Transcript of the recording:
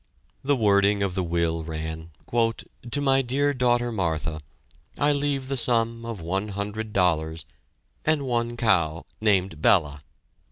The wording of the will ran: "To my dear daughter, Martha, I leave the sum of one hundred dollars, and one cow named 'Bella.'"